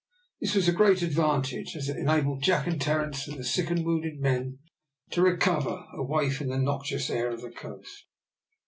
This was a great advantage, as it enabled Jack and Terence and the sick and wounded men to recover, away from the noxious air of the coast.